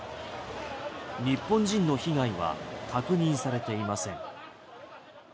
日本人の被害は確認されていません。